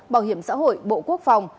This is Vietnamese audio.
bảo hiểm xã hội bộ quốc phòng